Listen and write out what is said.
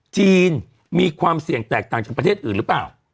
จีนมีความเสี่ยงแตกต่างจากประเทศอื่นหรือเปล่า